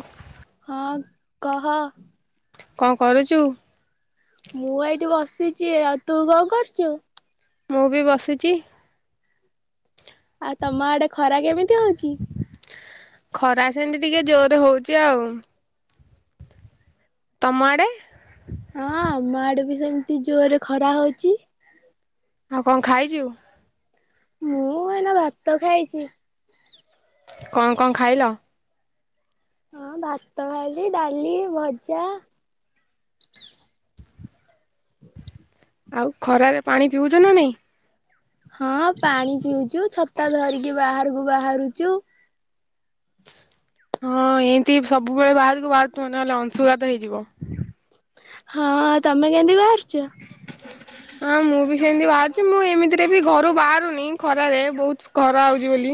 Of ହଁ । କହ। କଣ କରୁଛୁ। ମୁଁ ଏଇଠି ବସିଛି ଆଉ। ତୁ କଣ କରୁଛୁ। ମୁଁ ବି ବସିଛି। ଆଉ ତମ ଆଡେ ଖରା କେମିତି ହଉଛି। ଖରା ସେଠତି ଟିକେ ଜୋରରେ ହଉଛି ଆଉ। ତମଆଡେ । [inaudible] ମା ଆଡକୁ ବି ସେମିତି ଜୋରରେ ଖରା ହଉଛି। ଆଉ କଣ ଖାଇଛୁ। ମୁଁ ଏଇନା ଭାତ ଖାଇଛି। କଣ କଣ ଖାଇଲ? ହଁ ଭାତ ଖାଇଛି ଡାଲି ଭଜା। ଆଉ ଖରାରେ ପାଣି ପିଉଛ ନା ନାଇଁ? ହଁ ପାଣି ପିଉଛୁ ଛତା ଧରିକି ବାହାରକୁ ବାହାରୁଛୁ। ହଁ ଏମତି ସବୁବେଳେ ବାହାରକୁ ବାହାରୁଥିବ ନହେଲେ ଅଂଶୁଘାତ ହେଇଯିବ। ହଁ ତମେ କେମିତି। [unintelligible] ଯା। ହଁ ମୁଁ ବି ସେମତି ବାହାରୁଛି ମୁଁ ଏମିତିରେ ବି ଘରୁ ବାହାରୁନି ଖରାରେ ବହୁତ ଖରା ହଉଛି ବୋଲି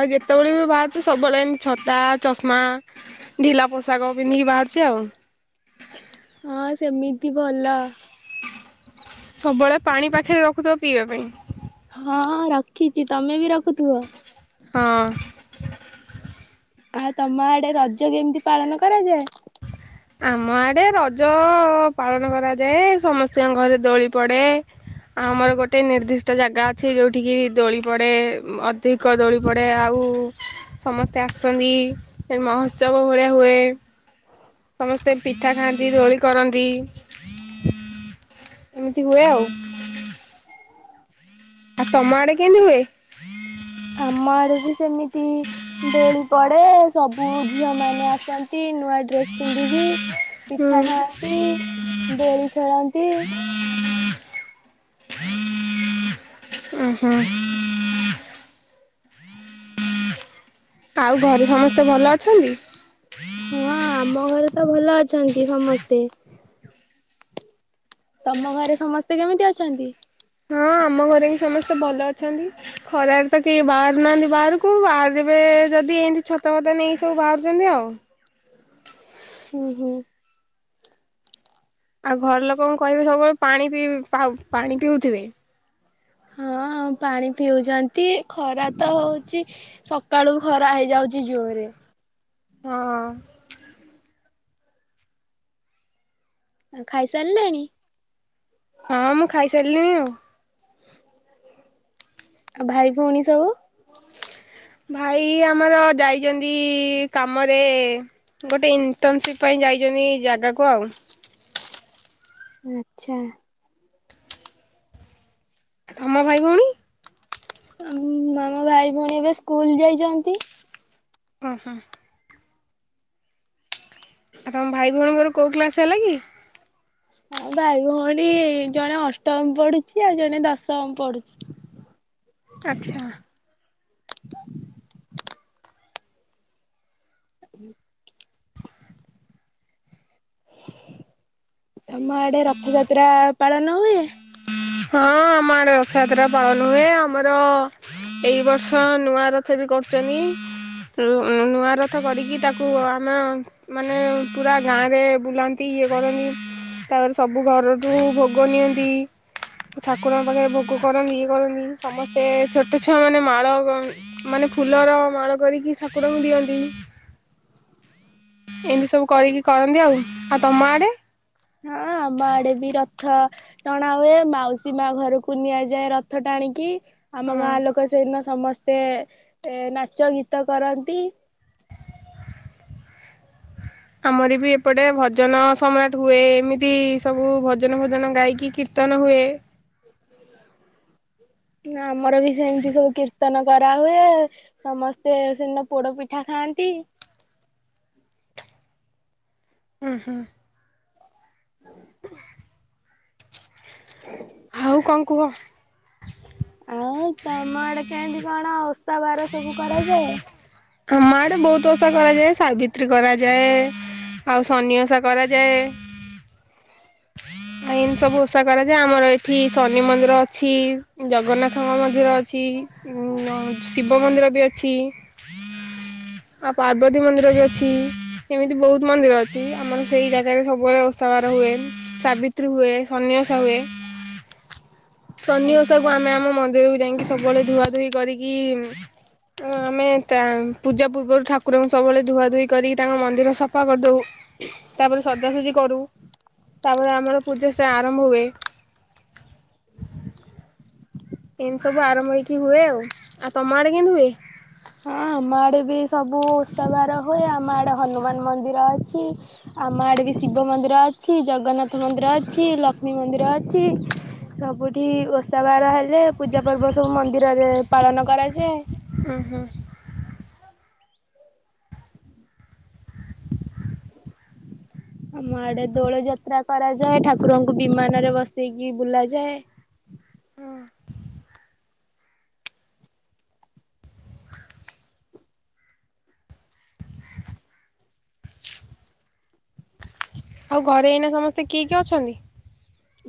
ଆଉ ଯେତେବେଳେ ବି ବାହାରୁଛି ସବୁବେଳେ ଏମତି ଛତା ଚଷମା ଢିଲା ପୋଷାକ ପିନ୍ଧିକି ବାହାରୁଛି ଆଉ। ହଁ ସେମି ତି ଭଲ। ସବୁବେଳେ ପାଣି ପାଖରେ ରଖୁଥିବ ପିଇବା ପାଇଁ। ହଁ ରଖିଛି ତମେ ବି ରଖୁଥିବ। ହଁ। ଆଉ ତମ ଆଡେ ରଜ କେମିତି ପାଳନ କରାଯାଏ? ଆମ ଆଡ଼େ ରଜ ପାଳନ କରାଯାଏ ସମସ୍ତଙ୍କ ଘରେ ଦୋଳି ପଡେ ଆମର ଗୋଟେ ନିର୍ଦ୍ଦିଷ୍ଟ ଜାଗା ଅଛି ଯୋଉଠିକି ଦୋଳି ପଡ଼େ ଉ ଅଧିକ ଦୋଳି ପଡ଼େ ଆଉ ସମସ୍ତେ ଆସନ୍ତି ମହୋତ୍ସବ ଭଳିଆ ହୁଏ। ସମସ୍ତେ ପିଠା ଖାଆନ୍ତି ଦୋଳି କରନ୍ତି ଏମିତି ହୁଏ ଆଉ। ଆଉ ତମ ଆଡେ କେମିତି ହୁଏ? ଆମ ଆଡେ ବି ସେମିତି ଦୋଳି ପଡେ ସବୁ ଝିଅ ମାନେ ଆସନ୍ତି ନୂଆ ଡ୍ରେସ ପିନ୍ଧିକି ହୁଁ। ପିଠା ଖାଆନ୍ତି। ଦୋଳି ଖେଳନ୍ତି। ଉୁଁ ହୁଁ ଆଉ ଘରେ ସମସ୍ତେ ଭଲ ଅଛନ୍ତି? ହୁଁ ଆମ ଘରେ। ତ ଭଲ ଅଛନ୍ତି ସମସ୍ତେ। ତମ ଘରେ ସମସ୍ତେ କେମିତି ଅଛନ୍ତି? ହଁ ଆମ ଘରେ ହି ସମସ୍ତେ ଭଲ ଅଛନ୍ତି ଖରାରେ ତ କେହି ବାହାରୁନାହାନ୍ତି ବାହାରକୁ ବାହାରିବେ ଯଦି ଏମତି ଛତା ଫତା ନେଇ ସବୁ ବାହାରୁଛନ୍ତି ଆଉ। ହୁଁ ହୁଁ । ଆଉ ଘର ଲୋକଙ୍କୁ କହିବେ ସବୁବେଳେ ପାଣି ପିଇ ଆଉ ପାଣି ପିଉଥିବେ। ହଁ ପାଣି ପିଉଛନ୍ତି ଖରା ତ ହଉଛି ସକାଳୁ ଖରା ହେଇଯାଉଛି ଜୋରରେ। ହଁ ଖାଇ ସାରିଲେଣି? ହଁ ମୁଁ ଖାଇସାରିଲିଣି ଆଉ। ଆଉ ଭାଇ ଭଉଣୀ ସବୁ? ଭାଇ ଆମର ଯାଇଛନ୍ତି କାମରେ ଗୋଟେ ଇଣ୍ଟର୍ନସିପ ପାଇଁ ଯାଇଛନ୍ତି ଜାଗାକୁ ଆଉ। ଉଁ ଆଚ୍ଛା ତମ ଭାଇ ଭଉଣୀ? ଆ ଆମ ଭାଇ ଭଉଣୀ ଏବେ ସ୍କୁଲ ଯାଇଚନ୍ତି ଉଁ ହୁଁ ଆଉ ତମ ଭାଇ ଭଉଣୀଙ୍କର କୋଉ କ୍ଲାସ୍ ହେଲା କି? ହଁ ଭାଇ ଭଉଣୀ ଜଣେ ଅଷ୍ଟମ ପଢୁଛି ଆଉ ଜଣେ ଦଶମ ପଢୁଛି। ଆଚ୍ଛା [inaudible] ହୁଁ। ତମ ଆଡେ ରଥଯାତ୍ରା ପାଳନ ହୁଏ? ହଁ ଆମ ଆଡେ ରଥଯାତ୍ରା ପାଳନ ହୁଏ ଆମର ଏଇ ବର୍ଷ ନୂଆ ରଥ ବି କରୁଛନ୍ତି ନୂଆ ରଥ କରିକି ତାକୁ ଆମ ମାନେ ପୁରା ଗାଁରେ ବୁଲାନ୍ତି ଇଏ କରନ୍ତି ତାପରେ ସବୁ ଘରଠୁ ଭୋଗ ନିଅନ୍ତି। ଠାକୁରଙ୍କ ପାଖରେ ଭୋଗ କରନ୍ତି ଇଏ କରନ୍ତି ସମସ୍ତେ ଛୋଟ ଛୁଆ ମାନେ ମାଳ ମାନେ ଫୁଲର ମାଳ କରିକି ଠାକୁରଙ୍କୁ ଦିଅନ୍ତି। ଏମିତି ସବୁ ହଁ କରିକି କରନ୍ତି ଆଉ ଆଉ ତମ ଆଡେ? ହଁ ଆମ ଆଡେ ବି ର ଥ ଟଣା ହୁଏ ମାଉସୀ ମା ଘରକୁ ନିଆଯାଏ ରଥ ଟାଣିକି। ଆମ ଗାଁ ହଁ ଲୋକ ସେଇଦିନ ସମସ୍ତେ ନାଚ ଗୀତ କରନ୍ତି। ଆମର ବି ଏପଟେ ଭଜନ ସମ୍ରାଟ ହୁଏ ଏମିତି ସବୁ ଭଜନ ଭଜନ ଗାଇକି କି। କିରତନ ହୁଏ। [inaudible] ନା। ଆମର ବି ସେମିତି ସବୁ କୀର୍ତ୍ତି କୀର୍ତ୍ତନ କରାହୁଏ ସମସ୍ତେ ସେଦିନ ପୋଡ ପିଠା ଖାଆନ୍ତି। ହୁ ହୁଁ। [unintelligible] [inaudible] ଆଉ କଣ କୁହ। ଆଉ ତମ ଆଡେ କେମିତି କଣ ଓଷା ବାର ସବୁ କରାଯାଏ। ଆମ ଆଡେ ବହୁତ ଓଷା କରାଯାଏ ସାବିତ୍ରୀ। ସାବିତ୍ରୀ କରାଯାଏ ଆଉ ଶନି ଓଷା କରାଯାଏ। ଯାଏ ଏମିତି ସବୁ ଓଷା କରାଯାଏ ଆମର ଏଠି ଶନି ମନ୍ଦିର ଅଛି ଜଗନ୍ନାଥଙ୍କ ମନ୍ଦିର ଅଛି ଆଉ ଶିବ ମନ୍ଦିର ବି ଅଛି। ଆଉ ପାର୍ବତୀ ମନ୍ଦିର ବି ଅଛି ଏମିତି ବହୁତ ପାର୍ବତୀ ମନ୍ଦିର ବି ଅଛି ଏମିତି ବହୁତ୍ ମନ୍ଦିର ଅଛି ଆମର ସେଇ ଜାଗାରେ ସବୁବେଳେ ଓଷାବାର ହୁଏ ସାବିତ୍ରୀ ହୁଏ ସନି ଓଷା ହୁଏ। ଶନି ଓଷାକୁ ଆମେ ଆମ ମନ୍ଦିରକୁ ଯାଇକି ସବୁବେଳେ ଧୁଆ ଧୁଇ କରିକି ଆମେ। ତା ପୂଜା ପୂର୍ବରୁ ଠାକୁରଙ୍କୁ ସବୁବେଳେ ଧୁଆ ଧୋଇ କରିକି ତାଙ୍କ ମନ୍ଦିର ସଫା କରିଦଉ। ତାପରେ ସଜାସଜି କରୁ। ତାପରେ ଆମର ପୂଜା ସେ ଆରମ୍ଭ ହୁଏ। ଏମିତି ସବୁ ଆରମ୍ଭ ହେଇକି ହୁଏ ଆଉ ଆଉ ତମ ଆଡେ କେମତି ହୁଏ? ହଁ ଆମ ଆଡ଼େ ବି ସବୁ ଓଷାବାର ହୁଏ ଆମ ଆଡ଼େ ହନୁମାନ ମନ୍ଦିର ଅଛି ଆମ ଆଡ଼େ ବି ଶିବ ମନ୍ଦିର ଅଛି ଜଗନ୍ନାଥ ମନ୍ଦିର ଅଛି ଲକ୍ଷ୍ମୀ ମନ୍ଦିର ଅଛି ସବୁଠି ଓଷାବାର ହେଲା। ପୂଜା ପର୍ବ ସବୁ ମନ୍ଦିରରେ ପାଳନ କରାଯାଏ। ହୁଁ ହୁଁ ଆମ ଆଡେ ଦୋଳ ଯାତ୍ରା କରାଯାଏ ଠାକୁରଙ୍କୁ ବିମାନରେ ବସେଇକି ବୁଲା ଯାଏ। ହଁ ଆଉ ଘରେ ଏଇନା ସମସ୍ତେ କିଏ କିଏ ଅଛନ୍ତି?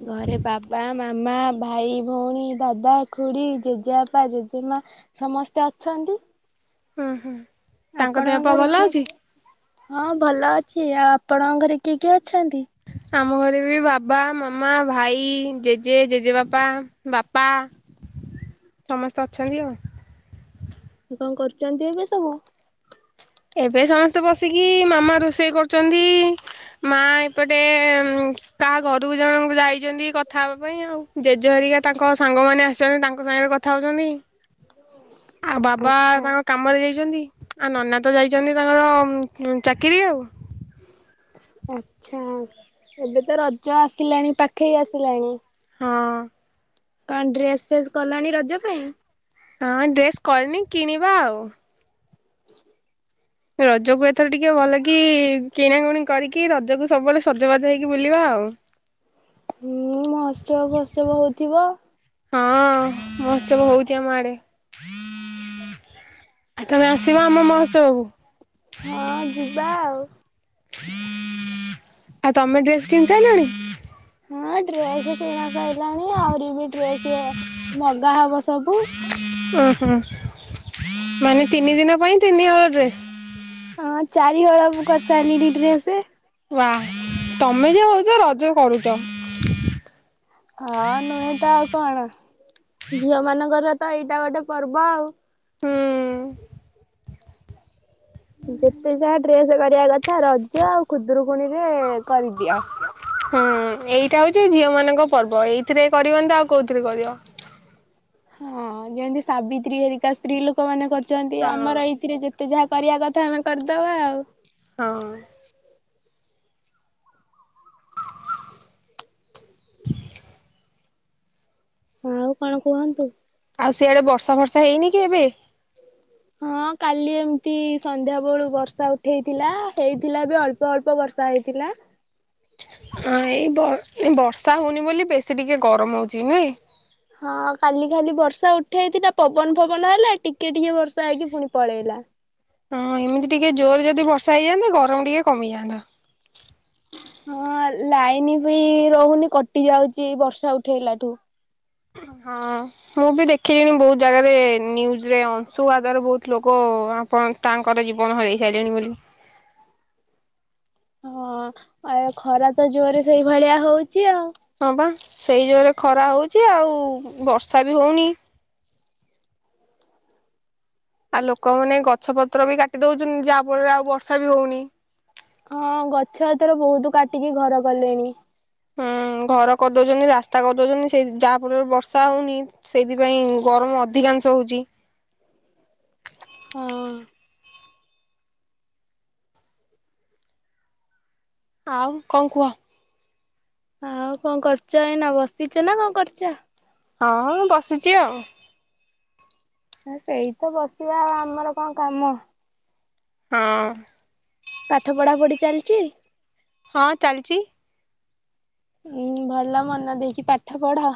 ଘରେ ବାବା। ମାମା ଭାଇ ଭଉଣୀ ଦାଦା ଖୁଡି ଜେଜେବାପା ଜେଜେମା ସମସ୍ତେ ଅଛନ୍ତି। ହୁଁ ହୁଁ ତାଙ୍କ ଦେହ ଆପଣଙ୍କ ପା ଘରେ ଭଲ କିଏ ଅଛି? କିଏ ହଁ ଭଲ ଅଛି ଆଉ। ଆପଣଙ୍କ ଘରେ କିଏ କିଏ ଅଛନ୍ତି? ଆମ ଘରେ ବି ବାବା ମାମା ଭାଇ। ଜେଜେ ଜେଜେବାପା ବାପା ସମସ୍ତେ। ତ ଅଛନ୍ତି ଆ ଉ। କଣ କରୁଛନ୍ତି ଏବେ ସବୁ। ଏବେ ସମସ୍ତେ ବସିକି ମାମା ରୋଷେଇ କରୁଛନ୍ତି ମା ଏପଟେ କାହା ଘରୁ ଜଣଙ୍କୁ ଯାଇଛନ୍ତି କଥା ହବା ପାଇଁ ଆଉ ଜେଜେହରିକା ତାଙ୍କ ସାଙ୍ଗ ମାନ ଆସିଛନ୍ତି ତାଙ୍କ ସାଙ୍ଗରେ କଥା ହଉଛନ୍ତି। ଆଉ ବାବା ଆଚ୍ଛା ତାଙ୍କ କାମରେ ଯାଇଛନ୍ତି। ଆଉ ନନା। ତ ଯାଇଛନ୍ତି ତାଙ୍କର ଚାକିରି ଆଉ। ଆଛା ଏବେ ତ ରଜ ଆସିଲାଣି ପାଖେଇ ଆସିଲାଣି ହଁ କଣ ଡ୍ରେସ ଫେସ୍ କଲଣି ରଜ ପାଇଁ। ହଁ ଡ୍ରେସ୍ କରିନି କିଣିବା ଆଉ। ରଜକୁ ଏଥର ଟିକେ ଭଲ କି କିଣାକୁଣି କରିକି ରଜକୁ ସବୁବେଳେ ସଜବାଜ ହେଇକି ବୁଲିବା ଆଉ। ହୁଁ ମହୋତ୍ସବ ଫୋତ୍ସବ ହଉଥିବ ହଁ ମହୋତ୍ସବ ହଉଛି ଆମ ଆଡେ। ତମେ ଆସିବ ଆମ ମହ ଚାଉ [unintelligible] ହଁ ଯିବା ଆଉ। [unintelligible] ଆଉ ତମେ ଡ୍ରେସ କିଣି ସାରିଲଣି। ହେଲାଣି ଆହୁରି ବି ଡ୍ରେସ ମଗା ହବ ସବୁ। ଓ ହୁଁ ମାନେ ତିନି ଦିନ ପାଇଁ ତିନି ହଳ ଡ୍ରେସ୍। ହଁ ଚାରିହଳ ମୁଁ କରିସାରିଲିଣୀ ଡ୍ରେସ। ବାଃ ତମେ ଯ ହଉଛ ରଜ କରୁଛ। ହଁ ନୁହେଁ ତ ଆଉ କଣ ଝିଅ ମାନଙ୍କର ତ ଏଇଟା ଗୋଟେ ପର୍ବ ଆଉ। ହୁଁ ଯେତେ ଯାହା ଡ୍ରେସ କରିବା କଥା ରଜ ଆଉ ଖୁଦରୁକୁଣୀରେ କରିଦିଅ। ହଁ ଏଇଟା ହଉଛି ଝିଅ ମାନଙ୍କ ପର୍ବ ଏଇଥିରେ କରିବନି ଆଉ କୋଉଥିରେ କରିବ। ହଁ ଯେମତି ସାବିତ୍ରୀ ହେରିକା ସ୍ତ୍ରୀ ଲୋକ ମାନେ କ ଛନ୍ତି ହଁ ଆମର ଏଇଥିରେ ଯେତେ ଯାହା। କରିବା କଥା ଆମେ କରିଦବା ଆଉ। ହଁ। କୁହୁ କୁହୁ। ଆଉ କଣ କୁହନ୍ତୁ। ଆଉ ସେଆଡେ ବର୍ଷା ବର୍ଷା ହେଇନି କି ଏବେ। ହଁ କାଲି ଏମିତି ସନ୍ଧ୍ୟା ବେଳୁ ବର୍ଷା ଉଠେଇଥିଲା ହେଇଥିଲା ବି ଅଳ୍ପ ଅଳ୍ପ ବର୍ଷା ହେଇଥିଲା। ହଁ ଏଇ ବ ବର୍ଷା ହଉନି ବୋଲି ବେଶୀ ଟିକେ ଗରମ ହଉଛି ନୁହେଁ ହଁ କାଲି ଖାଲି ବର୍ଷା ଉଠେଇଥିଲା ପବନ ଫବନ ହେଲା ଟିକେ ଟିକେ ବର୍ଷା ହେଇକି ପୁଣି ପଳେଇଲା ହଁ ଏମିତି ଟିକେ ଜୋରରେ ଯଦି ବର୍ଷା ହେଇଯାଆନ୍ତା ଗରମ ଟିକେ କମିଯାଆନ୍ତା ହଁ ଲାଇନ ବି ରହୁନି କଟି ଯାଉଛି ବର୍ଷା ଉଠେଇଲାଠୁ ହଁ ମୁଁ ବି ଦେଖିଲିଣି ବହୁତ ଜାଗାରେ ନ୍ୟୁଜରେ ଅଂଶୁଘାତର ବହୁତ ଲୋକ ଆପଣ ତାଙ୍କର ଜୀବନ ହରାଇ ସାରିଲେଣି ବୋଲି ହଁ ଆ ଖରା ତ ଜୋରେ ସେଇଭଳିଆ ହଉଛି ଆଉ। ହଁ ବା ସେଇ ଜୋରେ ଖରା ହଉଛି ଛି ଆଉ ବର୍ଷା ବି ହଉନି ଆଉ ଲୋକମାନେ ଗଛ ପତ୍ର ପତ୍ର ବି କାଟି ଦଉଛନ୍ତି ଯାହା ଫଳରେ ଆଉ ବର୍ଷା ବି ହଉନି ହଁ ଗଛ ଏଥର ବହୁତ କାଟିକି ଘର କଲେଣି ହୁଁ ଘର କରିଦଉଛନ୍ତି ରାସ୍ତା କରିଦଉଛନ୍ତି ସେଇ ଯାହା ଫଳରେ ବର୍ଷା ହଉନି ସେଇଥିପାଇଁ ଗରମ ଅଧିକାଂଶ ହଉଛି ହଁ ଆଉ କଣ କୁହ ଆଉ କଣ କରୁଛ ଏନା ବସିଛ ନା କଣ କରୁଛ ହଁ ମୁ ବସିଛି ଆଉ ସେଇ ତ ବସିବା ଆଉ ଆମର କଣ କାମ ହଁ ପାଠ ପଢା ପଢି ଚାଲିଚ ହଁ ଚାଲିଛି। ହଁ ଭଲ ମନ ଦେଇକି ପାଠ ପଢ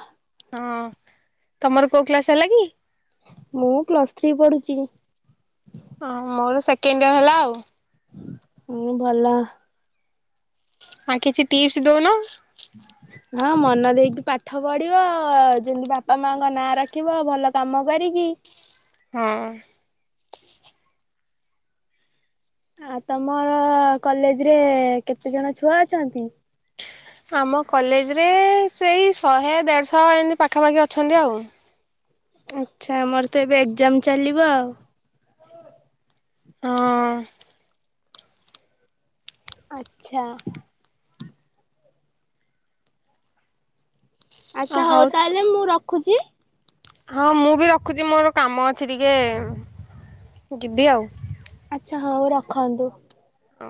ହଁ ତମର କୋଉ କ୍ଲାସ ହେଲା କି ମୁଁ ପ୍ଲସ୍ ଥ୍ରୀ ପଢୁଛି ହଁ ମୋର ସେକେଣ୍ଡ ଇ ହେଲା ଆଉ ହୁଁ ଭଲ ଆ କିଛି ଟିପ୍ସ ଦଉନ ହଁ ମନା ଦେଇକି ପାଠ ପଢିବ ଯେମିତି ବାପା ମାଙ୍କ ନାଁ ରଖିବ ଭଲ କାମ କରିକି ହଁ ଆ ତମର କଲେଜ ରେ କେତେ ଜଣ ଛୁଆ ଅଛନ୍ତି ଆମ କଲେଜରେ ସେଇ ଶହେ ଦେଢ଼ଶହ ଏମିତି ପାଖାପାଖି ଅଛନ୍ତି ଆଉ ଆଚ୍ଛା ଆମର ତ ଏବେ ଏକ୍ଜାମ ଚାଲିବ ଆଉ ହଁ ଆ୍ଛା ଆଚ୍ଛା ହଉ ତାହେଲେ ମୁଁ ରଖ ଖୋଜି ହଁ ମୁଁ ବି ରଖୁଛି ମୋର କାମ ଅଛି ଟିକେ ଯିବି ଆଉ ଆଛା ହଁଉ ରଖନ୍ତୁ ହଁ